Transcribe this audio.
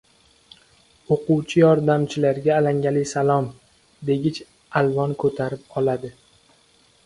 «O‘quvchi yordamchilarga alangali salom!» degich alvon ko‘tarib oladi.